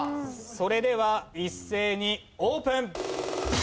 それでは一斉にオープン！